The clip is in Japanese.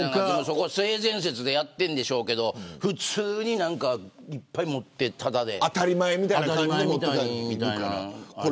性善説でやってるんでしょうけど普通に、いっぱい持っていって当たり前みたいな感じで。